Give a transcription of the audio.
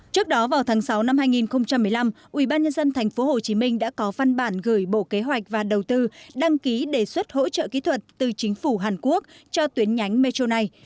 trước đó vào tháng sáu năm hai nghìn một mươi năm ubnd tp hcm đã có văn bản gửi bộ kế hoạch và đầu tư đăng ký đề xuất hỗ trợ kỹ thuật từ chính phủ hàn quốc cho tuyến nhánh metro này